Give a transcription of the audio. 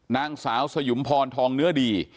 นางสาวสยุมพรทองเนื้อดี